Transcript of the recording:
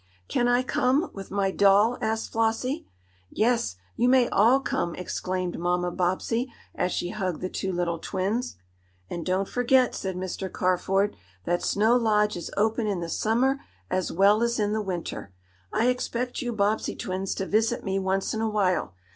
"Can I come, with my doll?" asked Flossie. "Yes, you may all come!" exclaimed Mamma Bobbsey, as she hugged the two little twins. "And don't forget," said Mr. Carford, "that Snow Lodge is open in the summer as well as in the winter. I expect you Bobbsey twins to visit me once in a while.